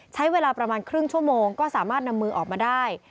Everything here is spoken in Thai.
ใช้เวลาประมาณครึ่งชั่วโมงก็สามารถนำมือออกมาได้